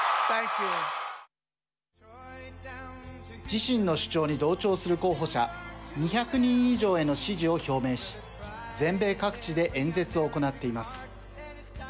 自身の主張に同調する候補者２００人以上への支持を表明し全米各地で演説を行っています。